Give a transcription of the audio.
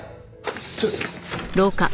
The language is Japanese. ちょっとすいません。